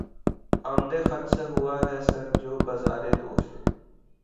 آمدِ خط سے ہوا ہے سرد جو بازارِ دوست